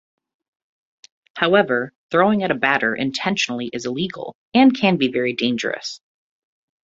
However, throwing at a batter intentionally is illegal, and can be very dangerous.